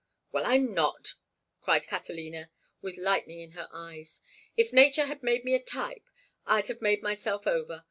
"Well, I'm not!" cried Catalina, with lightning in her eyes. "If nature had made me a type I'd have made myself over.